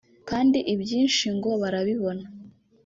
kandi ibyinshi ngo barabibona